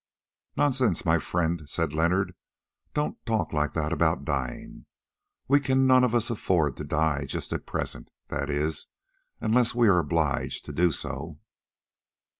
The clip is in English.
"Nonsense, my friend," said Leonard; "don't talk like that about dying. We can none of us afford to die just at present—that is, unless we are obliged to do so.